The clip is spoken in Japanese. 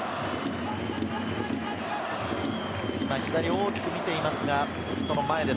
今、左を大きく見ていますが、その前です。